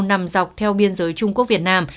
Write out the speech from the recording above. nằm dọc theo biên giới trung quốc việt nam